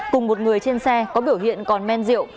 cùng một người trên xe có biểu hiện còn men rượu